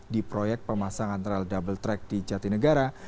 di proyek pemasangan rel double track di jatinegara